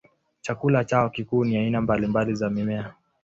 Chakula chao kikuu ni aina mbalimbali za mimea.